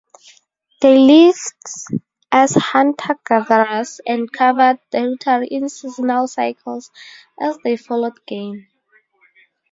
They lived as hunter-gatherers and covered territory in seasonal cycles as they followed game.